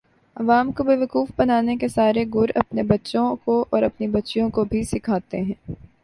عوام کو بیوقوف بنانے کے سارے گُر اپنے بچوں کو اور اپنی بچیوں کو بھی سیکھاتے ہیں